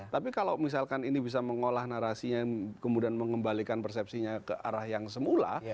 tapi kalau misalkan ini bisa mengolah narasinya kemudian mengembalikan persepsinya ke arah yang semula